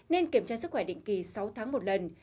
nên kiểm tra sức khỏe định kỳ sáu tháng một lần